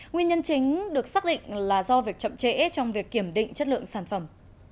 nguyên nhân chính được xác định là do việc chậm trễ trong việc kiểm định chất lượng sản phẩm